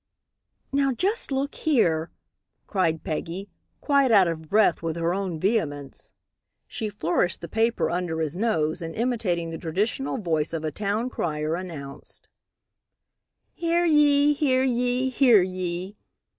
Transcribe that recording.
"Now, just look here," cried Peggy, quite out of breath with her own vehemence. She flourished the paper under his nose and, imitating the traditional voice of a town crier, announced: "Hear ye! Hear ye! Hear ye!